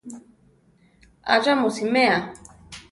Atza mu simea? ‒.